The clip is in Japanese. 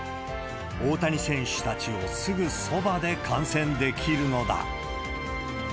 大谷選手たちをすぐそばで観戦できるのだ。